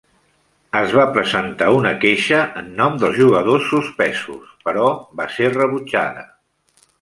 Es va presentar una queixa en nom dels jugadors suspesos, però va ser rebutjada.